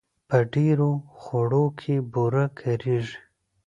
په ډېرو خوړو کې بوره کارېږي.